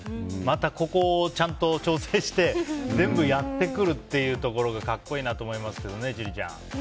また、ここをちゃんと調整して全部やってくるというところが格好いいなと思いますけどね千里ちゃん。